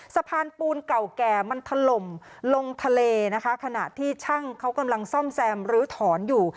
สะพานปูนเก่าแก่มันถล่มลงทะเลนะคะขณะที่ช่างเขากำลังซ่อมแซมลื้อถอนอยู่